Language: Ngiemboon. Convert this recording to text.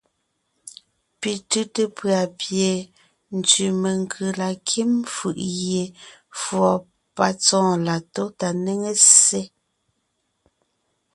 Pi tʉ́te pʉ̀a pie ntsẅì menkʉ̀ la kím fʉʼ gie fùɔ patsɔ́ɔn la tó tà néŋe ssé.